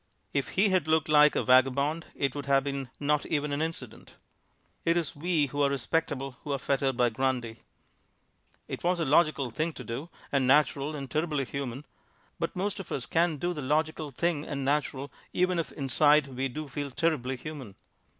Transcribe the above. If he had looked like a vagabond it would have been not even an incident. It is we who are respectable who are fettered by Grundy. It was a logical thing to do and natural and terribly human, but most of us can't do the logical thing and natural even if inside we do feel terribly human.